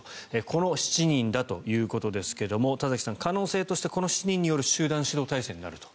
この７人だということですが田崎さん可能性として、この７人による集団指導体制になると。